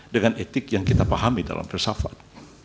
dengan etik yang kita pahami dalam filsafat